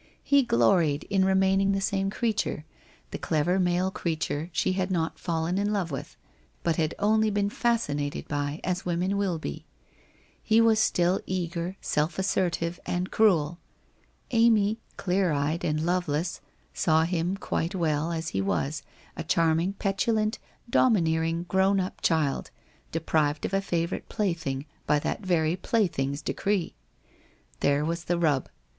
He gloried in remaining the same creature, the clever male creature she had not fallen in love with, but had only been fascinated by, as women will be. He was still eager, self assertive, and cruel. Amy, clear eyed, and loveless, saw him quite well as he was, a charming, petu lant, domineering, grown up child, deprived of a favourite plaything by that very plaything's decree. There was the rub.